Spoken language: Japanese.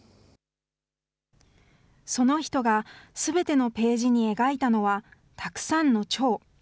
その人がすべてのページに描いたのは、たくさんのチョウ。